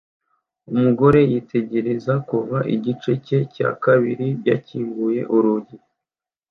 Umugore yitegereza kuva igice cye cya kabiri yakinguye urugi